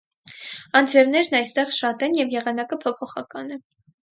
Անձրևներն այստեղ շատ են, և եղանակը փոփոխական է։